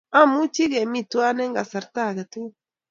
Amuchi kemi tuwai eng kasarta age tugul